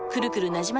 なじま